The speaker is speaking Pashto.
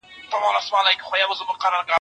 كنډواله كي نه هوسۍ نه يې درك وو